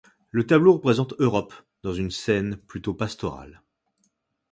Le tableau représente Europe dans une scène plutôt pastorale.